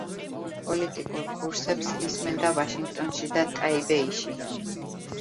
პოლიტიკურ კურსებს ისმენდა ვაშინგტონში და ტაიბეიში.